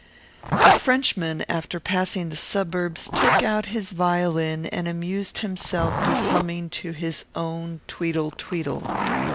The Frenchman, after passing the suburbs, took out his violin and amused himself with humming to his own tweedle tweedle.